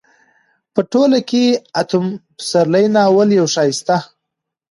په ټوله کې اتم پسرلی ناول يو ښايسته